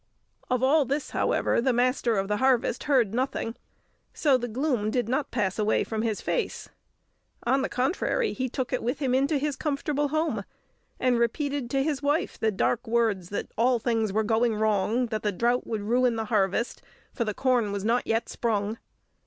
Of all this, however, the Master of the Harvest heard nothing, so the gloom did not pass away from his face. On the contrary, he took it with him into his comfortable home, and repeated to his wife the dark words that all things were going wrong; that the drought would ruin the harvest, for the corn was not yet sprung.